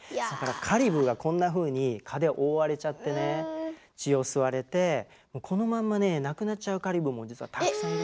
カリブーがこんなふうに蚊で覆われちゃってね血を吸われてこのまんまね亡くなっちゃうカリブーも実はたくさんいる。